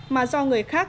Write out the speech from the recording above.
mà do người khác